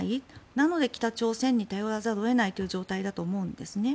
なので、北朝鮮に頼らざるを得ないという状態だと思うんですね。